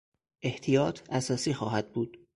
احتیاط اساسی خواهد بود.